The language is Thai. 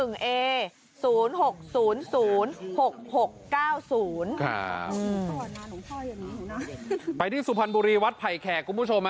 ขอบคุณผู้ชมนะไปที่สุพรรณบุรีวัดภัยแขกคุณผู้ชมนะ